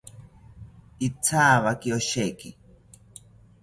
Ithawaki osheki